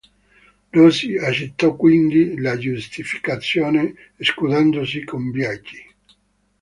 Rossi accettò quindi la giustificazione, scusandosi con Biaggi.